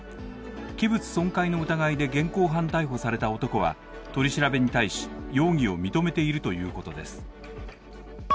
器物損壊の疑いで現行犯逮捕された男は取り調べに対し容疑を認めているということです。